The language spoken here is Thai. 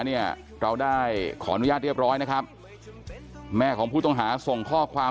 เนี่ยเราได้ขออนุญาตเรียบร้อยนะครับแม่ของผู้ต้องหาส่งข้อความ